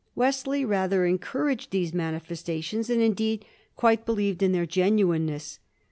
Wesley rather encouraged these manifesta tions, and indeed quite believed in their genuineness.